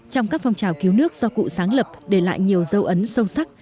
trong các phong trào cứu nước do cụ sáng lập để lại nhiều dấu ấn sâu sắc